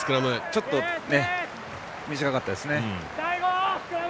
ちょっと短かったです。